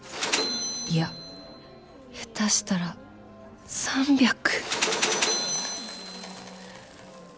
いや下手したら３００